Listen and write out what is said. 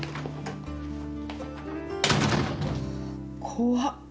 怖っ。